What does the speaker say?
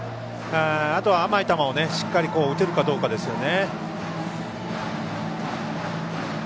あとは甘い球をしっかり打てるかどうかですね。